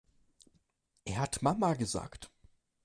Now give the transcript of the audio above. Er hat Mama gesagt!